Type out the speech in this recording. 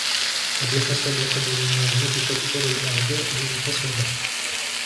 وَبِحَسَبِ قَدْرِ النِّعْمَةِ تَكْثُرُ الْأَعْدَاءُ وَالْحَسَدَةُ